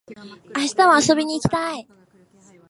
明日も遊びに行きたい